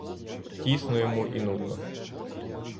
Тісно йому і нудно.